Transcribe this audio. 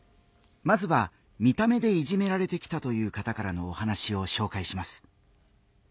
まずは見た目でいじめられてきたという方からのお話を紹介します。